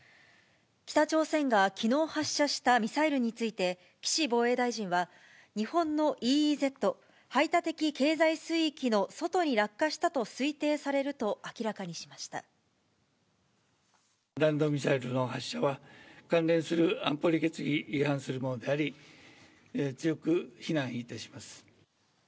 北朝鮮がきのう発射したミサイルについて、岸防衛大臣は、日本のＥＥＺ・排他的経済水域の外に落下したと推定されると明ら弾道ミサイルの発射は、関連する安保理決議に違反するものであり、強く非難いたします。